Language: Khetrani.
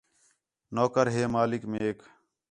نوکر ہے مالک میک